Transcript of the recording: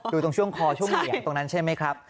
ดูตรงช่วงคอช่วงเหลียงตรงนั้นใช่ไหมครับ